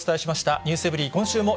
ｎｅｗｓｅｖｅｒｙ．今週もよ